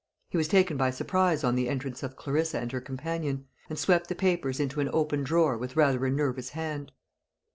He was taken by surprise on the entrance of Clarissa and her companion, and swept the papers into an open drawer with rather a nervous hand.